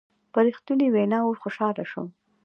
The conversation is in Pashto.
په رښتنوني ویناوو خوشحاله شوم.